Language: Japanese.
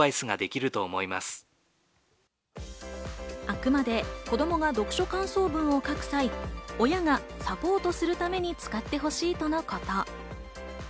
あくまで子供が読書感想文を書く際、親がサポートするために使ってほしいとのこと。